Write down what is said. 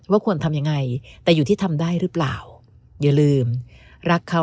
ควรทำยังไงแต่อยู่ที่ทำได้หรือเปล่าอย่าลืมรักเขา